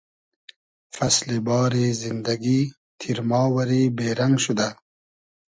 فئسلی باری زیندئگی تیرما وئری بې رئنگ شودۂ